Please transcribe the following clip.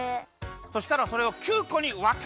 そしたらそれを９こにわけました。